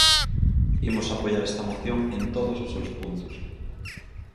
Imos apoiar esta moción en todos os seus puntos.